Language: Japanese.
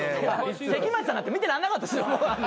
関町さんなんて見てらんなかったっすよ。